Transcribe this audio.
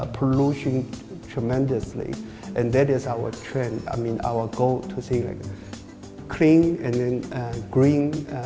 maksud saya tujuan kita adalah untuk membuat kota sepeda dan sepeda